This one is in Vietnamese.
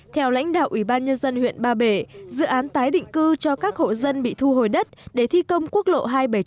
theo lãnh đạo ủy ban nhân dân huyện ba bể dự án tái định cư cho các hộ dân bị thu hồi đất để thi công quốc lộ hai trăm bảy mươi chín